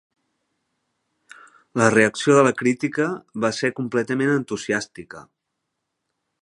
La reacció de la crítica va ser completament entusiàstica.